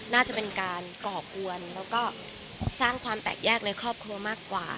น่าจะเป็นการก่อกวนแล้วก็สร้างความแตกแยกในครอบครัวมากกว่า